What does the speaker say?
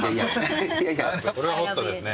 これはホットですね。